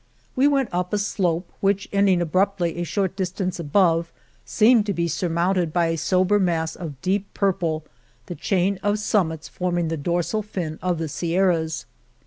We went up a slope, which, ending abruptly a short distance above, seemed to be sur mounted by a sober mass of deep purple, the chain of summits forming the dorsal fin of the Sierras.